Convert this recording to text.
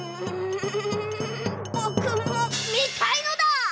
ぼくもみたいのだ！